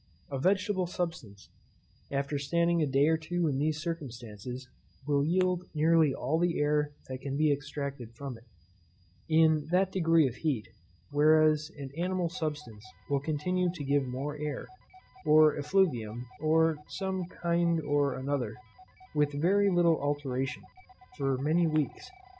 A vegetable substance, after standing a day or two in these circumstances, will yield nearly all the air that can be extracted from it, in that degree of heat; whereas an animal substance will continue to give more air, or effluvium, of some kind or other, with very little alteration, for many weeks.